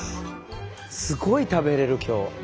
すごい食べれる今日。ね！